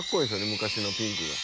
昔のピンクが。